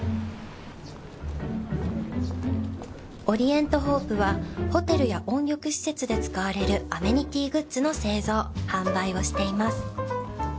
オリエント・ホープはホテルや温浴施設で使われるアメニティーグッズの製造・販売をしています。